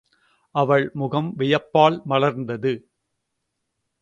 அவள் முகம் வியப்பால் மலர்ந்தது.